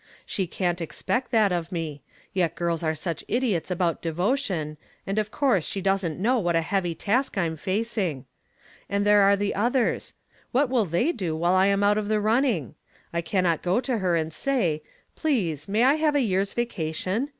She can't expect that of me, yet girls are such idiots about devotion, and of course she doesn't know what a heavy task I'm facing. And there are the others what will they do while I am out of the running? I cannot go to her and say, 'Please, may I have a year's vacation?